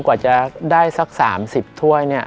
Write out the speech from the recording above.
กว่าจะได้สัก๓๐ถ้วย